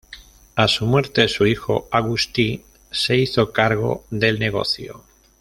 A su muerte, su hijo Agustí se hizo cargo del negocio.